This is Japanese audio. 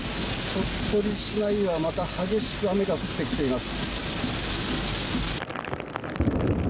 鳥取市内は、また激しく雨が降ってきています。